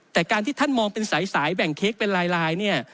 แต่การที่ท่านมองเป็นสายแบ่งเค้กเป็นลายเนี่ย